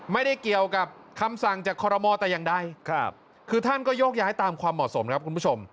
ไม่ได้เกี่ยวกับคำสั่งจากคอรมอลแต่อย่างใดคือท่านก็โยกย้ายตามความเหมาะสมครับคุณผู้ชม